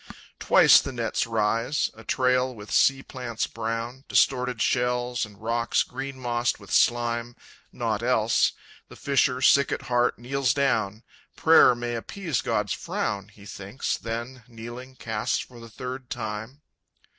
Twice the nets rise, a trail with sea plants brown, Distorted shells, and rocks green mossed with slime, Nought else. The fisher, sick at heart, kneels down; "Prayer may appease God's frown," He thinks, then, kneeling, casts for the third time.